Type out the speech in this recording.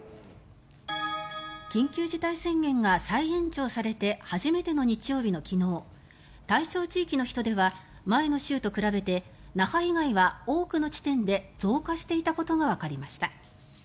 緊急事態宣言が再延長されて初めての日曜日の昨日対象地域の人出は前の週と比べて那覇以外は多くの地点で増加していたことがわかりました。